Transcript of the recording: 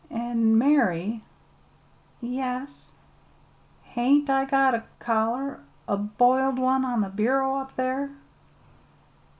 "An', Mary " "Yes." "Hain't I got a collar a b'iled one, on the bureau up there?"